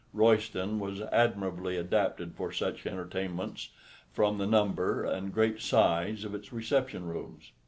Royston was admirably adapted for such entertainments, from the number and great size of its reception rooms.